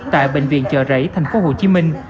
tại bệnh viện chợ rẫy thành phố hồ chí minh